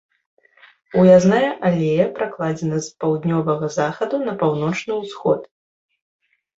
Уязная алея пракладзена з паўднёвага захаду на паўночны ўсход.